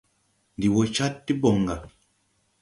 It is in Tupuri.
Ndi wo Cad ti boŋ ga.